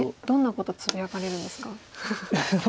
どんなことをつぶやかれるんですか？